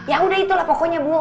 ya udah itulah pokoknya bu